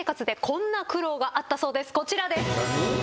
こちらです。